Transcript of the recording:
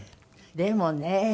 でもね